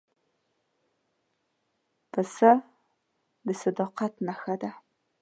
پسه د صداقت نښه ده.